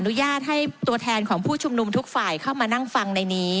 ญาตให้ตัวแทนของผู้ชุมนุมทุกฝ่ายเข้ามานั่งฟังในนี้